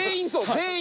全員。